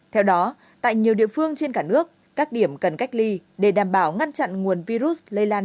theo đó tại nhiều địa phương trên cả nước các điểm cần cách ly để đảm bảo ngăn chặn nguồn virus lây lan